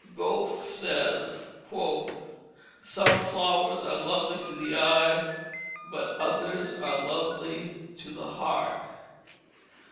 Goethe says, "Some flowers are lovely to the eye, but others are lovely to the heart."